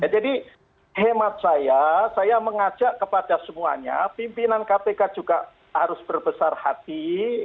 jadi hemat saya saya mengajak kepada semuanya pimpinan kpk juga harus berbesar hati